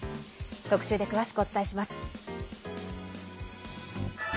特集で詳しくお伝えします。